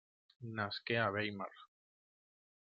Nasqué a Weimar.